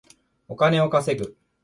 お金を稼ぐ